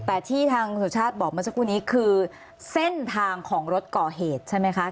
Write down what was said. แต่ที่ทางสุชาติบอกเมื่อสักครู่นี้คือเส้นทางของรถก่อเหตุใช่ไหมคะ